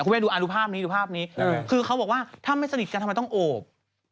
ครูแม่ดูภาพนี้คือเขาบอกว่าถ้าไม่สนิทกันทำไมต้องอบ